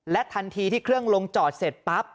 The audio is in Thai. ทันทีที่เครื่องลงจอดเสร็จปั๊บ